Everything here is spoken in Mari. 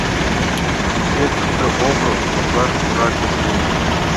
— Уке, тудо огыл, — коклаш пура Сергей.